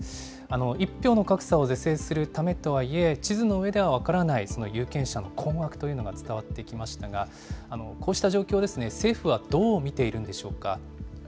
１票の格差を是正するためとはいえ、地図の上では分からない有権者の困惑というのが伝わってきましたが、こうした状況、政府はどう見ているんでしょうか。